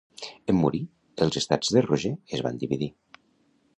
En morir, els estats de Roger es van dividir.